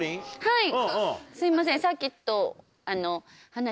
はい。